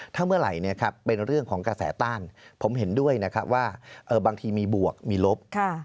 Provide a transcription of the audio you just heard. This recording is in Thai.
ถ้าเมื่อไหร่เป็นเรื่องของกระแสต้านผมเห็นด้วยนะครับว่าบางทีมีบวกมีลบ